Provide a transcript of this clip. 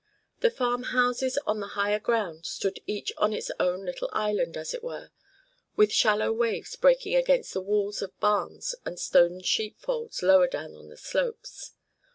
The farm houses on the higher ground stood each on its own little island as it were, with shallow waves breaking against the walls of barns and stoned sheepfolds lower down on the slopes.